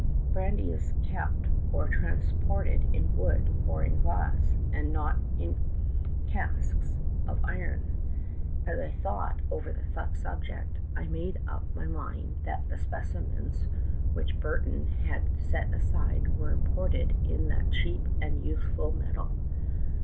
Brandy is kept or transported in wood or in glass, and not in casks A CHEMICAL DETECTIVE. 305 of iron. As I thought over the subject, I made up my mind that the specimens which Burton had set aside were imported in that cheap and useful metal.